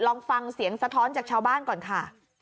ลองฟังเสียงสะท้อนจากชาวบ้านก่อนค่ะ